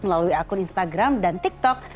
melalui akun instagram dan tiktok